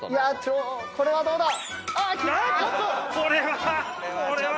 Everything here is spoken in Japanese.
これはどうだ⁉え